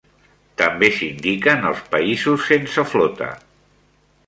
També s'indiquen els països sense flota.